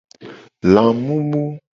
Lamumu.